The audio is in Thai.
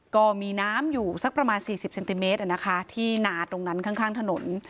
ก็มีน้ำอยู่สักประมาณ๔๐เซนติเมตรที่นาตรงนั้นข้างถนน